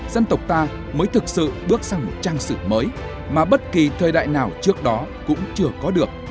dân tộc ta mới thực sự bước sang một trang sử mới mà bất kỳ thời đại nào trước đó cũng chưa có được